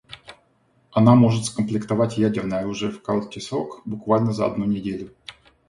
Она может скомплектовать ядерное оружие в короткий срок, буквально за одну неделю.